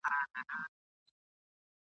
په دې ښار کي د وګړو « پردی غم نیمی اختر دی» ..